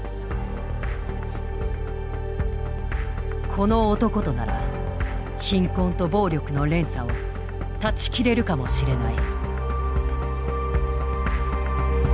この男となら貧困と暴力の連鎖を断ち切れるかもしれない。